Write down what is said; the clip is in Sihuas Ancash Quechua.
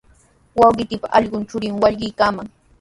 Wawqiipa ullqu churinmi wallkiykaaman.